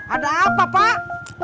ada apa pak